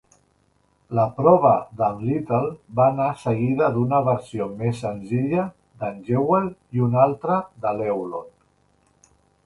La prova d"en Little va anar seguida d"una versió més senzilla de"n Jewel i una altra de l"Eulon.